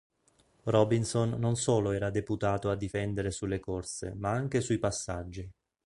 Robinson non solo era deputato a difendere sulle corse ma anche sui passaggi.